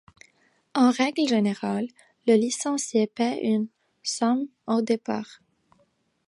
En règle générale le licencié paie une somme au départ.